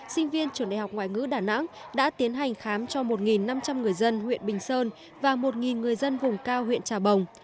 sinh viên trường đại học ngoại ngữ đà nẵng đã tiến hành khám cho một năm trăm linh người dân huyện bình sơn và một người dân vùng cao huyện trà bồng